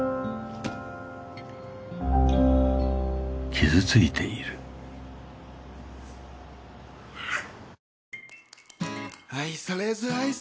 傷ついているあぁ。